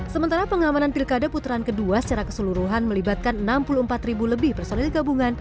sementara pengamanan pilkada putaran kedua secara keseluruhan melibatkan enam puluh empat ribu lebih personil gabungan